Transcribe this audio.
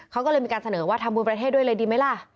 เขาก็เลยมีการเสนอว่าทำบุญประเทศด้วยเลยดีไหมล่ะ